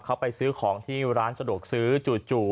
เขาไปซื้อของที่ร้านสะดวกซื้อจู่